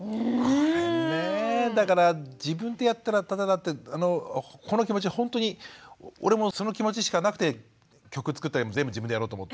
これねだから自分でやったらタダだってこの気持ちほんとに俺もその気持ちしかなくて曲作ったりも全部自分でやろうと思って。